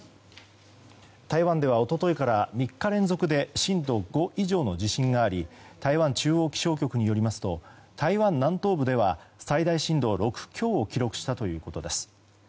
台湾では一昨日から３日連続で震度５以上の地震があり台湾中央気象局によりますと台湾南東部では最大震度６強を記録したということです。